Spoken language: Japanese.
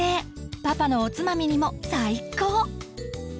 パパのおつまみにも最高！